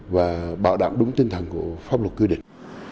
và bảo đảm đúng tinh thần của pháp luật quy định